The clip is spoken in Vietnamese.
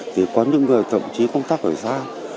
thì có những người thậm chí không tắc ở xa